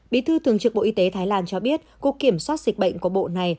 bí thư thường trực bộ y tế thái lan cho biết cục kiểm soát dịch bệnh của bộ này